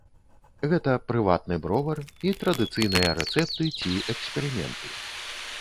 Гэта прыватны бровар і традыцыйныя рэцэпты ці эксперыменты.